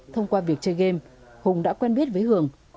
thông qua việc chơi game hùng đã quen biết với hường